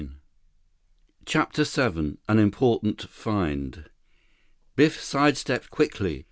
41 CHAPTER VII An Important Find Biff sidestepped quickly.